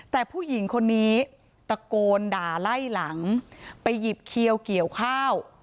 แต่ผู้หญิงคนนี้ตะโกนด่าไล่หลังไปหยิบเขียวเกี่ยวข้าว